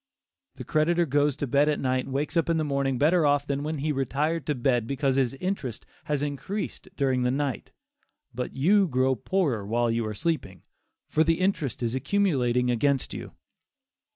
The creditor goes to bed at night and wakes up in the morning better off than when he retired to bed because his interest has increased during the night, but you grow poorer while you are sleeping, for the interest is accumulating against you.